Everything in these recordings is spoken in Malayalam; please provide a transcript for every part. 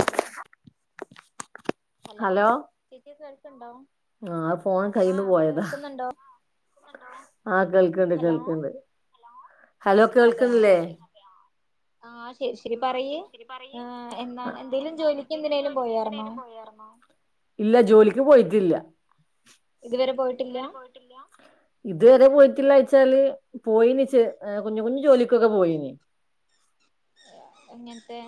ഹലോ ഹലോ ചേച്ചി കേൾക്കുണ്ടോ ആ ഫോൺ ആഹ കേൾക്കുന്നുണ്ടോ [unintelligible] ആഹ കേൾക്കണ്ട് ഹലോ കേൾക്കണ്ട് ഹലോ അതെ ആഹ് കേൾക്കുന്നില്ലേ ശരി ആഹ് ശരി ആ പറയ് ശരി ശരി പറയ് ആഹ് എന്താണ് എന്തേലും ജോലിക്ക് എന്തലും എന്തിനേലും ജോലിക്ക് പോയാർന്നോ എന്തിനാലും പോയരൊന്നോ ഇല്ല ജോലി ക്കു പോയിട്ടില്ല ഇതുവരെ പോയിട്ടില്ല ഇതുവരെ പോയിട്ടില്ലാ ഇതുവരെ പോയിട്ടില്ലെ വെച്ചാല് പോയിനിച്ച് കുഞ്ഞ് കുഞ്ഞ് ജോലിക്കൊക്കെ പോയിന് എങ്ങനത്തെ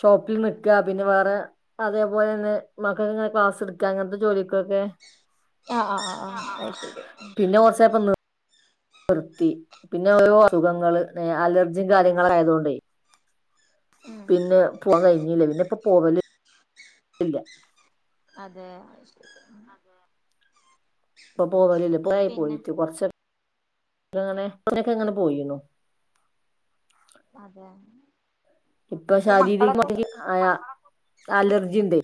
ഷോപ്പിൽ നിക്ക്യാ പിന്നെ വേറെ അതേപോലെ തന്നെ മക്കക്ക് ഇങ്ങനെ ക്ലാസ് എടുക്കുക അങ്ങനത്തെ ജോലിയെക്കേ ആഹ് ആഹ് ആഹ് ആഹ് അത് ശരി പിന്നെ കൊറാച്ചായാപ്പേ നിർ വ്യത്തി പിന്നെ ഓരോ അസുഖങ്ങള് അലർജിയും കാര്യങ്ങളും ആയതൊണ്ടേ ഉം പിന്നെ പോകാൻ കഴിഞ്ഞില്ല പിന്നെ ഇപ്പം പോവല് ല്ല അതെ അത് ശെരി [inaudible] പോവലില്ലാ കുറെ ആയി പിന്നെ പോയിട്ട് കൊറച്ച് ഇങ്ങനെ [unintelligible] ക്അങ്ങനെ ഉം പോയിന്ന് അതെ ഇപ്പം ഇപ്പൊ മക്കളൊക്കെ ശാരിരികമായ അലർജിണ്ടേ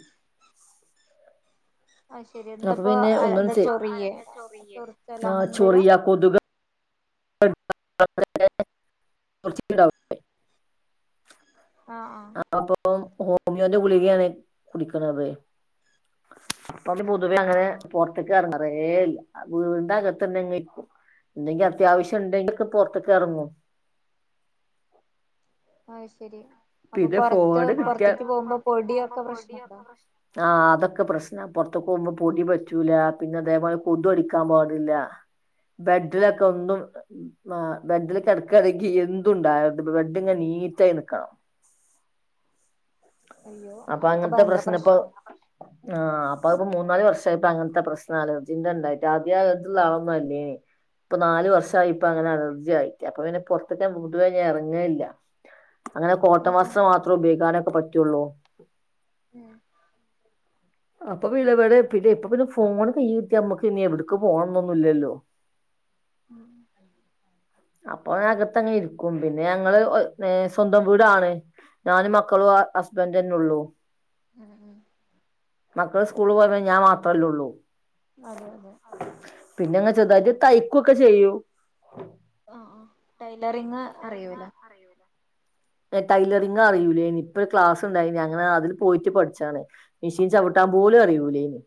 ആഹ് ശെരി അപ്പൊ എന്താപ്പൊ പിന്നെ ആഹ് ഒന്നും എന്താ ചെയ് ചൊറിയേ ചൊറിച്ചിലാ അങ്ങനെന്തേല [unintelligible] ച്ചിട്ട്ണ്ടാവും ആഹ് അപ്പം ഹോമിയോൻ്റെ കു ഗുളകയാണ് കുടിക്കാണത് അപ്പം പൊതുവെ ആഹ് അങ്ങനെ ആഹ് പുറത്തേക്ക് ഇറങ്ങറേല്ല വീടിന്റെ അകത്തന്നെരിക്കും [unintelligible] അത്യാവശ്യം ഇണ്ടെങ്കിലൊക്കെ പൊറത്തേക്ക് എറങ്ങൂ ആഹ് ശെരി പിന്നെ ഫോണ് കിട്ടിയാ പൊടിയൊക്കെ പ്രശ്നണ്ടോ ആഹ് അതൊക്കെ പ്രശ്ന പൊറത്ത് പോമ്പോ പൊടി പറ്റൂലാ പിന്നെ അതെപോലെ കൊത്കടിക്കാൻ പാടില്ല ബെഡിലൊക്കെ ഒന്നും ആ ബെഡില് കെടെക്കാണെങ്കി എന്തുണ്ടായിത് ബെഡ് ഇങ്ങ് നീറ്റായി നിക്കണം അയ്യോ അപ്പം അതൊക്കെ അങ്ങനത്തെ ഭയങ്കര പ്രശ്നം ഇപ്പം പ്രശ്നാ ആഹ് പ്പം അത്പ്പം മൂന്നാല് വർഷായ് അങ്ങൻത്തെ പ്രസ്ന അലർജിന്റെണ്ടായ്ട്ട് ആദ്യേ അലർജിള്ളെ ആളൊന്നും അല്ലേനീ പ്പം നാല് വർഷായി ഇപ്പ അങ്ങനെ അലർജി ആയിട്ട് അപ്പം പിന്നെ പൊർത്ത്ക്ക് ഞാൻ പെതുവേ ഞാ എറെങ്ങേല്ലാ അങ്ങനെ കൊ ആഹ് ആഹ് താെമസ്സ് മാത്ര ഉപയോയ്ക്കാനെ പറ്റുള്ളൂ ഉം അപ്പം വിളവടെ പിന്നെ ഇപ്പം പിന്നെ ഫോണ് കയ്യീ കിട്ട്യ അമ്മക്ക് പിന്നെ എവ്ട്ക്ക് പോണംന്നൊന്നുല്ലല്ലോ ഉം അപ്പം അകത്ത് അങ്ങ് ഇര്ക്കും പിന്നെ ഞങ്ങള് ഒ ലേ സ്വന്തം വ്ടാണ് ഞാനും മക്കളും അ ഹസ്ബന്റെന്നാെള്ളു ഉം ഉം മക്കള് സ്കൂള് പോയ് കയ്ഞ്ഞ് ഞാൻ മാത്രെല്ലാെള്ളു അതെ അതെ ചൊർതായ്ട്ട് തയ്ക്കാെക്കെ ചെയ്യു ആഹ് ആഹ് ടയ് ലറിങ്ങ് അറിയൂലെ ടൈലറിങ്ങ് അറിയൂലേനി ഇപ്പൊര് ക്ലാസ്ണ്ടായ്നി അങ്ങനെ അതില് പോയ്ട്ട് പഠ്ച്ചാണ് മിഷീൻ ചവ്ട്ടാൻ പോലും അറിയൂലേനി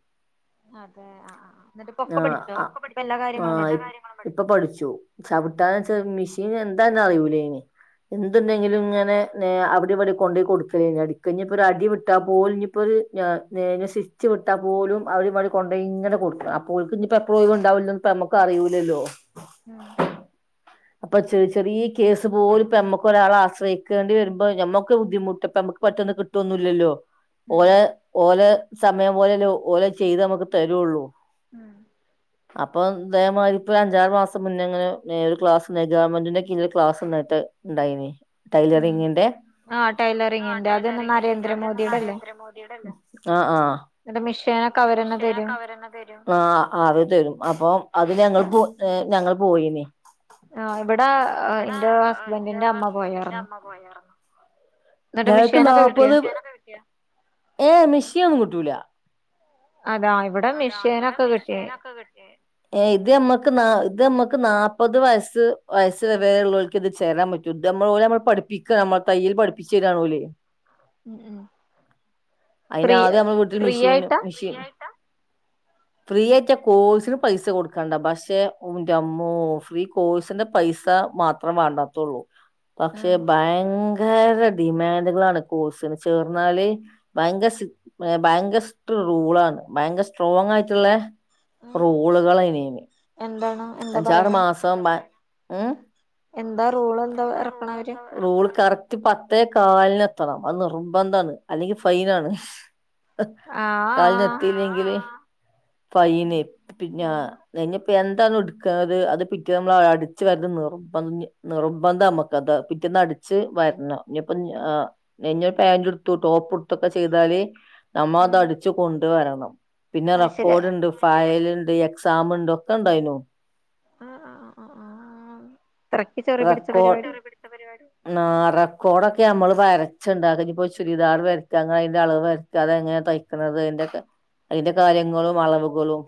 അതെ ആഹ് ആഹ് എന്നിട്ട് ഇപ്പൊക്കെ ആഹ് പഠിച്ചോ ഇപ്പൊ എല്ലാ കാര്യങ്ങളും ആഹ് ഇ പഠിച്ചോ ഇപ്പൊ പഠിച്ചു ചവ്ട്ടാനെച്ചാ മിഷി [unintelligible] എന്താന്നെ അറിയൂലേനി എന്ത് ണ്ടേ ങ്കിലുങ്ങനെ നെ അവ്ടിം വടിം കൊണ്ടാേയ് കൊടുക്കലേനി അടിക്ക ഞ്ഞിപ്പാെരടി വിട്ടാ പോലും ഞ്ഞ്പ്പത് ഞാ നേ സ്ച്ച് വിട്ടാ പോലും അവ്ടി വടിം കൊണ്ടാേയിങ്ങനെ കൊട്ക്ക അപ്പോൽക്ക്ഞ്ഞ്പ്പ എപ്പളും ഒയ്വ്ണ്ടാവാേല്ലോന്ന് പ്പ ഞമ്മക്കറിയൂലല്ലോ ഉം അപ്പ ചെറി ചെറീ കേസ് പോലും പ്പ ഞമ്മക്ക് ഒരാളെ ആശ്രയ്ക്കേണ്ടി വര്മ്പ ഞമ്മക്ക് ബുദ്ധിമുട്ട് പ്പമ്മക്ക് പെട്ടെന്ന് കിട്ടാെന്നുല്ലല്ലോ ഉം ഓലെ ഓലെ സമയം പോലെയല്ലെ ഓലത് ചെയ്ത് നമുക്ക് തരൊള്ളൂ ഉം അപ്പം തേമായ്രി ഇപ്പാെരഞ്ചാറ് മാസം മുന്നേ ങ്ങനെ ഏ ഒര് ക്ലാസ് ലെ ഗവമെന്റിന്റെ കീഴില് ക്ലാസ്ണ്ടായ്ട്ട് ണ്ടായ്നി ഉം ടൈലറിങ്ങിന്റെ ആഹ് ആഹ് ടൈലറിങ്ങിന്റെ അതന്നെ ടൈലറിങ്ങിന്റെ അതന്നെ നരേന്ദ്രമോദിയുടെ അല്ലേ നരേന്ദ്ര മോദിയിടെ അല്ലെ ആഹ് ആഹ് എന്നിട്ട് മിഷീനൊക്കെ എന്നട്ട് അവരന്നെ മിഷ്യനൊക്കെ തരും അവരന്നെ തരും ആഹ് അത് തരും അപ്പൊ അത് ഞങ്ങള് പോ ഏഹ് ഞങ്ങള് പോയീനീ. ആഹ് ഇവിടാ ഇന്റ ഹസ്ബന്റിന്റെ അമ്മ പോയാറുന്നു. ഞങ്ങക്ക് നാപ്പത് മിഷ്യനക്കെ കിട്ടിയാ. ഏഹ് മിഷ്യനൊന്നും കിട്ടൂല. അതാ ഇവിടെ മിഷീനൊക്കെ കിട്ടി ഇതമ്മക്ക് ന ഇതമ്മക്ക് നാപ്പത് വയസ് വയസ്സ് വയസ് വരെ ഉുള്ളവൾക്ക് ഇത് ചേരാൻ പറ്റും ഇ നമ്മൾ പോലെ നമ്മ പഠിപ്പിക്ക നമ്മെ തയ്യൽ പഠിപ്പിച്ചുരണലെ ഉം ഉം ഫ്രീ അയിനാദ്യം നമ്മൾ വീട്ട ഫ്രീ മെഷീന് ആയിട്ടാ മെഷീൻ ഫ്രീ ആയ്ട്ടാ കോഴ്സിന് പൈസ കൊടുക്കണ്ട പക്ഷെ ന്റമ്മോ ഫ്രീ കോഴ്സിന്റെ പൈസ മാത്രം വേണ്ടാത്തുള്ളൂ പക്ഷേ ഉം ബാങ്ക് ഭയങ്കര ഡിമാൻഡുകളാണ് കോഴ്സിന് ചേർന്നാല് ഭയങ്കര ഭയങ്കര്ട റൂളാണ് ഭയങ്കര സ്ട്രോങ് ആയിട്ടുള്ള ഉം റോളുക ഇന് എന്താണ് എന്താ അഞ്ചാറ് പറയണെ മാസം ഉം എന്താ റൂള് എന്താ ഇറക്കണ അവര് റൂള് ക പത്തേ കാലിനെത്തണം അത് നിർബന്ധാണ് അല്ലെങ്കിൽ ഫൈനാണ് ആഹ് കാലിഞ്ഞെത്തില്ലെങ്കില് ഫൈന് പിന്നെ ആഹ് ന എന്ത എണ് ഉടുക്കുന്നത് അത് പിറ്റേന്ന് നമ്മൾ അടിച്ച് വരുന്ന നിർ നിറുമ്പ നമ്മുക്ക് അത് പിറ്റേന്ന് അടിച്ച് വരണം ഞപ്പം ആഹ് ആ നഞ്ഞ പാന്റെടുത്തു ടോപ്പ് ഇടുത്തൊക്കെ ചെയ്താല് നമ്മ അത് ആഹ് അടിച്ചു കൊണ്ട് വരണം പിന്നെ അത് ശരി റെക്കോർഡൊണ്ട് ഫയല് ണ്ട് എക്സാം മ്ണ്ട് ഒക്കെണ്ടായ്ന്നു ആഹ് ആഹ് ആ ആ ആഹ് ഇത്രക്ക് ചൊറി പിടിച്ച റെക്കോ പരിപാടി ആ റെക്കോഡക ക്കെ മ്മള് വരച്ചണ്ട് അതിനിപ്പൊ ചുരിദാർ വരക്ക ങ്ങളയിന്റെ അളവ്വരക്കാ അത എങ്ങനെയ തയ്ക്കുന്നത് അയ്ന്റെ അയിന്റെ കാര്യങ്ങളും അളവുകളും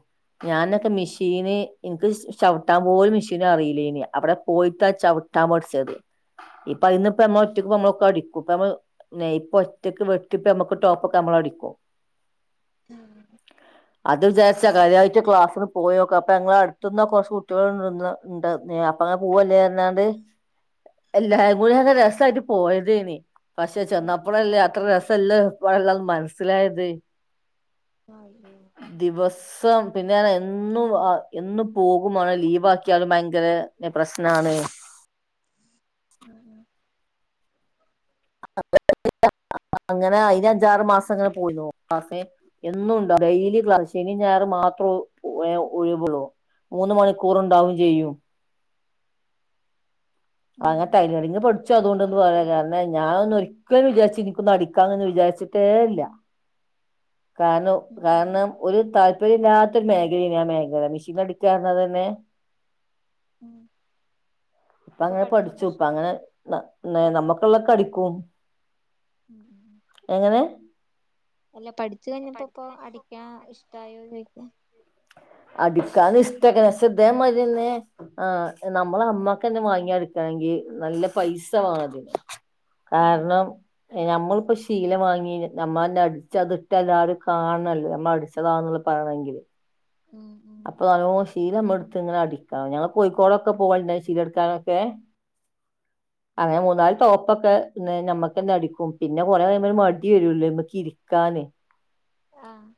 ഞാനൊക്കെ മെഷീന് നിക്ക് ചവിട്ടാൻ പോലും മെഷീൻ അറിയില്ലേനി അവിടെ പോയിട്ട ചവിട്ടാൻ പഠിച്ചതി ഇപ്പ അയീനിപ്പ നമ്മള് ഒറ്റക്ക്മ്മളൊക്കെ അടിക്കും ഇ ഇപ്പൊമ്മള് ഒറ്റക്ക് വെട്ടിപ്പമ്മക്ക് ടോപ്പ ഒക്കെ നമ്മള അടിക്കും ഉ അത് വിചാരിച്ച കാര്യായിട്ട് ക്ലാസ്സിന് പോയൊക്ക അപ്പൊ ങ്ങള അടുത്തന്ന കുറച്ച് കുട്ടികള് ഇണ്ട് അപ്പ അങ്ങനെ പോവല്ലേ ചെയ്യുന്നേ എല്ലാരും കൂടി അങ്ങ് രസായിട്ട് പോയതേനി പക്ഷെ ചെന്നപ്പോളല്ലേ അത്ര രസം എല്ലാം ഇപ്പണല്ലോ മനസ്സിലായത് ആഹ് ഒ സ് പിന്നെ എന്നും എന്നും പോകുമാണ് ലീവ് ആക്കിയാലും ഭയങ്കര പ്രശ്നാണ് ഉഹ് [unintelligible] അങ്ങനെ അയിന്അഞ്ചാറ് മാസിങ്ങനെ പോയി ക്ലാസെ എന്നുംണ്ടാവും ഡെയിലി ക്ലാസ് ശനി ഞായറും മാത്രം ഒ ഒഴിവുള്ളു മൂന്ന് മണിക്കൂർണ്ടാവും ചെയ്യും അങ്ങ തൈലേണങ് പഠിച്ചൊ അതുകൊണ്ടന്ന് പറയാ കാരണ ഞാ ഒന്നും ഒരിക്കലും വിചാരിച്ചി നിക്കൊന്നടിക്കാനന്ന് വിചാരിച്ചിട്ടേ ഇല്ല കാരണൊ കാരണം ഒരു താല്പരില്ലാ ത്ത മേഖലയാനി ആ മേഖല മെഷീൻ അടിക്കാന്നത് തന്നെ ഇപ്പ ഇപ്പൊ അങ്ങനെ പഠിച്ചപ്പോ പഠിച്ചു ഇപ്പ ഇഷ്ടാ അങ്ങനെ പഠിച്ചപ്പോ നമ്മുക്കുള്ളക്കെ ഇഷ്ടാ അടിക്കും എങ്ങനെ ച്ച് കഴിഞ്ഞപ്പോ ഇപ്പൊ അടിക്കാൻ ഇഷ്ടായോ ചോയ്ക അടിക്കാൻ ഇഷ്ടക്ക ഷെ ദിതേമാരിന്നെ ആ നമ്മള് മ്മക്കന്നെ വാങ്ങി അടിക്കണെങ്കി നല്ല പൈസ വേണാദ്യം കാരണം ഞമ്മള് അപ്പൊ ശീലവാങ്ങി നമ്മന്നെ അടിച്ചത് ഇട്ട് ല്ലാവരും കാണണല്ലോ നമ്മ അടിച്ചതാന്നുള്ള പറയണെങ്കില് അപ്പൊ [unintelligible] ശീല നമ്മടുത്ത് ഇങ്ങനെ അടിക്കാം ഞങ്ങ കോഴിക്കോടൊക്കെ പോവണ്ണെ ശീലെടുക്കാനൊക്കെ അങ്ങനെ മൂന്നാല് ടോപ്പൊക്കെ നമ്മക്ക്ന്നെ അടിക്കും പിന്നെ കൊറകൈയ്പ ഒരു മടി വരുല്ലോ മ്മക്ക് ഇരിക്കാനെ ആഹ്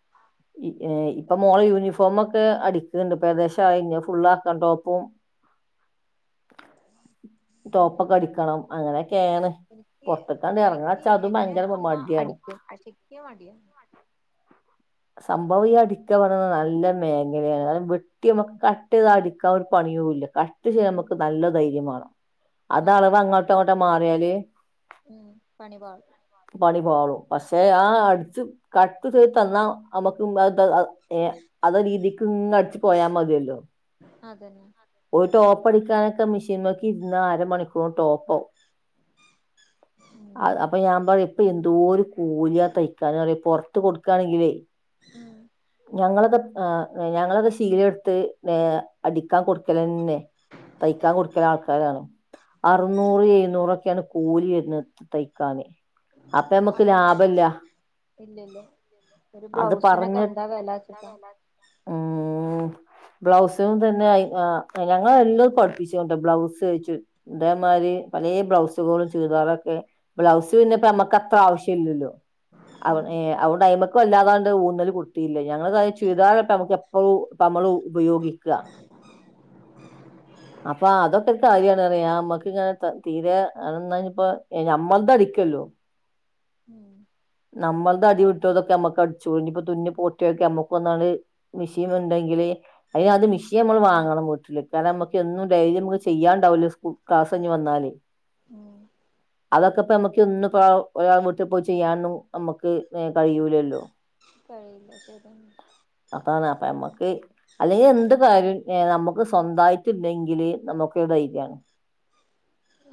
ഇപ്പൊ ഇ മോളെ യൂണിഫോമൊ ക്കെ അടിക്കണ്ട് പ്പൊഏകദേശായി ഞാ ഫുള്ളാക്കാൻ ടോപ്പും ടോപ്പൊക്കെ അടിക്കണം അങ്ങനെ എനിക്ക് എനിക്ക് അതും എന്റെ ഭയങ്കര അമ്മ മടിയാണ് അടിക്കും പക്ഷെ എനിക്ക് മടിയാ സംഭവം ഈ അടിക്കാ പറയന്നാ നല്ല മേഖലയാണ് അത് വെട്ടി അമ്മുക്ക് കട്ട് ചെയ്ത അടിക്കാൻ ഒരു പണിയു ഇല്ല കട്ട് ചെയ്യാൻ നമുക്ക് നല്ല ധൈര്യം വേണം അത് അതന്നെ അളവ് അങ്ങോട്ടോ എങ്ങോട്ടോ മറിയാല് ഉം പണിപാളും പണി പാളും അസ് ആ അടിച്ച് കട്ട് ചെയ്ത് തന്നാ നമുക്കും [unintelligible] ഏ അത രീതിക് നിന്ന് അടിച്ച് പോയാ മതിയല്ലോ അതന്നെ പോയിട്ട് ഓപെടുക്കാൻ [unintelligible] മിഷീൻ നോക്കി ഇരുന്ന അരമണിക്കൂർ ടോപ്പോവും അ ഉം അപ്പൊ ഞാൻ പറയും ഇപ്പ എന്തോരു കൂല്യാ തയ്ക്കാനറിയോ പൊർ ത്ത് കൊട്ക്കാണെങ്കിലേ ഞങ്ങള്ത് ആ ഞങ്ങളത് ശീല എട്ത്ത് ഏ അടിക്കാൻ കൊട്ക്കലെന്നെ തയ്ക്കാൻ കൊട്ക്ക്ണ ആൾക്കാരാണ് അറ്ന്നൂറ് എഴ്ന്നൂറൊക്കെണ് കൂലി വര്ണ് തയ്ക്കാന് അപ്പൊ നമ്മക്ക് അതെ ലാഭല്ല ഇല്ല ഇല്ല അത് പറഞ്ഞ് ഉം ബ്ലൗസ്നും തന്നെ ആ ഞങ്ങളെല്ലം പട്പ്പിച്ച്ണ്ട്ട്ടോ ബ്ലൗസാെയ്ച്ച് ഇതേമായ്രി പലേ ബ്ലൗസ്കളും ചുരിതാറൊക്കെ ബ്ലൗസ് പിന്നെ പ്പ അമ്മക്കത്ര ആവശ്യം ഇല്ലല്ലോ അവ ഉം ഏ അവടയ്മക് കൊല്ലാതാ ഊന്നൽ കൊടുത്തിയില്ല ഞങ്ങള്തായ ചുരിദാർ അപ്പ ഞമ്മക്ക് എപ്പഴും നമ്മള് ഉപയോഗിക്കാ അപ്പൊ അതൊക്കെ ഒരു കാര്യാണറിയ നമ്മക്ക് ഇങ്ങനെ ത തീരെ അതെന്നാ ഇപ്പാ ഞമ്മൾത് അടിക്കല്ലോ ഉം നമ്മൾത് അടി വിട്ടതൊക്കെ നമ്മക്ക് അടിച്ചു ഇപ്പൊ തുന്നി പൊട്ടിയൊക്കെ നമ്മക്ക് ഒന്നാള് മിഷീൻ ഇണ്ടെങ്കില് അതിനാദ്യം മിഷീൻ നമ്മള് വാങ്ങണം വീട്ടില്. കാരണം നമ്മക്ക് എന്നും ഡെയിലി നമ്മക്ക് ചെയ്യാണ്ടാവില്ലോ സ് ക്ലാസ് കഴിഞ്ഞ് വന്നാല് ഉം അതൊക്കെ ഇപ്പോ നമ്മക്ക് ഒന്നും ഇപ്പ ഒരാൾടെ വീട്ടി പോയി ചെയ്യാനും നമ്മക്ക് ഏഹ് കഴിയൂലല്ലോ. കഴിയില്ല [inaudible] അതാണ് അപ്പ നമ്മക്ക് അല്ലെങ്കിൽ എന്ത് കാര്യോം നമുക്ക് സ്വന്തായിട്ടിണ്ടെങ്കില് നമുക്ക് ധൈര്യാണ്.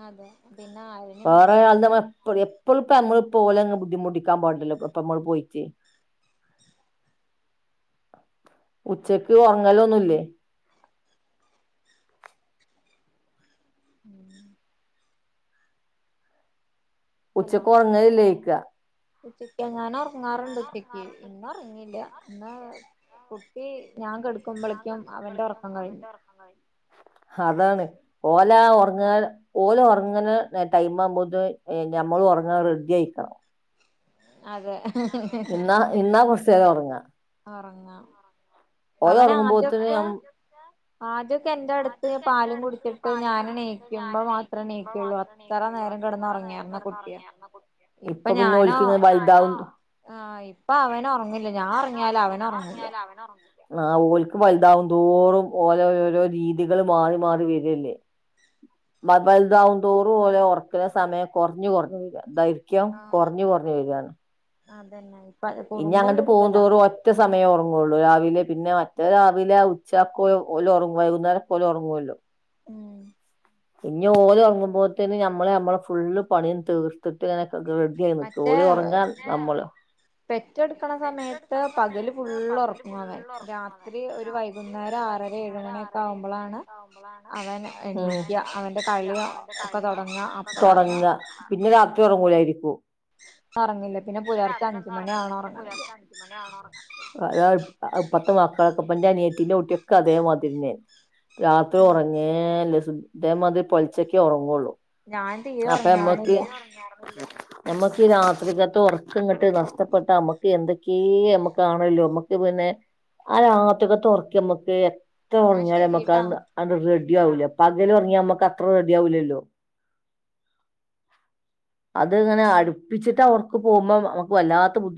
അതെ പിന്നെ ആരെങ്കി നമുക്ക് നോക്കാം [unintelligible] ബുദ്ധിമുട്ടി ക്കാൻ പാടില്ലല്ലോ ഇപ്പമ്മള് പോയിട്ട് ഉച്ചക്ക് അങ്ങലൊന്നുവില്ലേ ഉം ഹലോ ഉച്ചക്ക് ഉറങ്ങലില്ലേക്ക ഉച്ചക്ക് ഞാൻ ഉറങ്ങാറുണ്ട് ഉച്ചക്ക് ഇന്ന് ഉറങ്ങിയില്ല ഇന്ന് കുട്ടി ഞാൻ കെടു ഞാൻ കെടുക്കുമ്പോളേക്കും അവന്റെ ഉറക്കം കഴിഞ്ഞു അതാണ് ഓല് ഉറങ്ങുവാ ഓല് ഉറങ്ങണ ടൈം ആവുമ്പോത്തെ ഞമ്മളും ഉറങ്ങാൻ റെഡി ആയിക്കണം അതെ ഇന്നാ ഇന്നാ കുസ് തെ ഒറങ്ങാ ഒറങ്ങുക അവൻ ഉറങ്ങുമ്പോത്തിന് ആദ്യോക്കെ ആദ്യൊക്കെ എന്റെ അടുത്ത് പാലും കുടിച്ചിട്ട് ഞാന് എണീക്കുമ്പോ മാത്രേ എണീക്കുള്ളൂ അത്ര നേരം കിടന്ന് ഉറങ്ങിയാർന്ന കുട്ടിയാ ഇപ്പൊ പിന്നെ ഞാന ഓൽക്ക് ഇങ്ങനെ വലുതാവും ആ ഇപ്പൊ അവന് ഉറങ്ങില്ല ഞാൻ അവൻ ഉറങ്ങിയാലും ഉറങ്ങില്ല അവന് ഞാൻ ഉറങ്ങില്ല ഇങ്ങിയാലേ അവനുറങ്ങൂള്ളു ആ ഓല്ക്ക് വലുതാവുംതോറും ഓരോ ഓരോ രീതികള് മാറി മാറി വരികല്ലേ വലുതാവുംതോറും ഓല് ഉറക്കുന്ന സമയം കുറഞ്ഞ് കുറഞ്ഞ് വരുക അതായി ക്കും ആഹ് കുറഞ്ഞ് കുറഞ്ഞ് വരുവാണ് അതന്നെ ഇപ്പ ഇനി കുറുമ്പം അങ്ങട്ട് കൂടുതലാ പോകന്തോറും ഒറ്റ സമയൊ ഉറങ്ങുള്ളൂ രാവിലെ പിന്നെ മറ്റേ രാവിലെ ഉച്ചക്കോഓല ഉറങ്ങും വൈകുന്നേരം ഓലൊറങ്ങുല്ലോ ഉം ഇനി ഓല് ഉറങ്ങുമ്പോത്തേന് ഞമ്മള് ഞമ്മടെ ഫുള് പണിയും തീർത്തിട്ടിങ്ങനെ റെഡി ആയി നിക്കുവാ മറ്റേ ഓല് ഉറങ്ങാൻ നമ്മള് പെറ്റെടുക്കണ സമയത്ത് പെറ്റെടുക്കണ പകല് സമയത്ത് ഫുള്ള് പകല് ഉറങ്ങും അവൻ ഫുള്ള് ഉറങ്ങും അവൻ രാത്രി ഒരു രാത്രി വൈകുന്നേരം ഒരു ആറര ഏഴ് വൈകുന്നേരം മണിയൊക്കെ ആറര ഏഴ് ആവുമ്പോളാണ് മണിയൊക്കെ ആവുമ്പോളാണ് അവൻ അവൻ എണീക്ക അവന്റെ എണീക്കുക കളി അവന്റെ ഒക്കെ തുടങ്ങ കളിയൊക്കെ അപ്പളാ ഉറങ്ങും തുടങ്ങുക പിന്നെ രാത്രി ഉറങ്ങൂലായിരിക്കും ഒ പ്പ ഒറങ്ങില്ല പിന്നെ പുലർച്ചെ അഞ്ചു മണിയാകണം പിന്നെ പുലർച്ചെ അഞ്ചു മണിയാകണം ഉറങ്ങണെങ്കി അത അ പത്ത് മക്കളൊക്കെ പ്പന്റെ അനിയത്തിന്റെ കുട്ടിയൊക്കെ അതേ മാതിരിന്നെയാരുന്നു രാത്രി ഉറങ്ങേല്ല ഉം ഇതേ മാതിരി പൊലച്ചക്കെ ഒറങ്ങുള്ളൂ ഞാൻ തീരെ അപ്പ അമ്മക്ക് ഉറങ്ങാറുന്നില്ല ഞാൻ തീരെ ഒറങ്ങിയാർന്നില്ല നമ്മക്കി രാത്രിക്കത്തെ ഉറക്കം ഇങ്ങോട്ട് നഷ്ടപ്പെട്ട നമ്മക്ക് എന്തൊക്കെ നമ്മക്കാണല്ലോ നമ്മക്ക് പിന്നെ ആ രാത്രിക്കത്തെ ഉറക്കം നമ്മക്ക് എത്ര എന്നാ ഉറങ്ങിയാലും നമുക്ക് ശരിട്ടാ അങ്ങോട്ട്‌ അങ്ങോട്ട് റെ ഡിയാവുല്ല പകലൊറങ്ങിയ നമക്കത്ര റെഡിയാവുല്ലല്ലോ അത് ഇങ്ങനെ അടുപ്പിച്ചിട്ടവർക്ക് പോകുമ്പം നമുക്ക് വല്ലാത്ത ബുദ്ധി